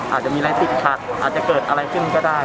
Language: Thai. อาจจะมีอะไรติดขัดอาจจะเกิดอะไรขึ้นก็ได้